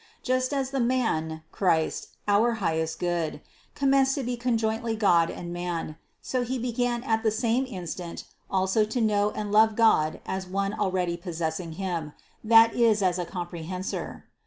Just as the man, Christ, our high est Good, commenced to be conjointly God and man, so He began at the same instant also to know and love God as one already possessing Him, that is as a com prehensor.